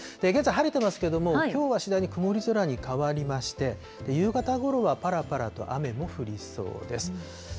現在晴れてますけれども、きょうは次第に曇り空に変わりまして、夕方ごろはぱらぱらと雨も降りそうです。